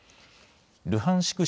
ルハンシク